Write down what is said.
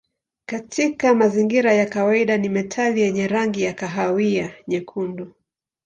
Katika mazingira ya kawaida ni metali yenye rangi ya kahawia nyekundu.